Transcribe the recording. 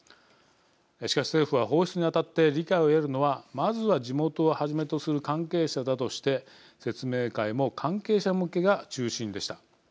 しかし、政府は放出にあたって理解を得るのはまずは地元をはじめとする関係者だとして説明会も関係者向けが中心でした。